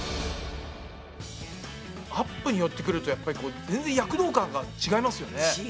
アップに寄ってくるとやっぱり全然躍動感が違いますよね。